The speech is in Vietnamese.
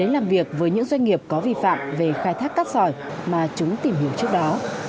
làm việc với những doanh nghiệp có vi phạm về khai thác cát sỏi mà chúng tìm hiểu trước đó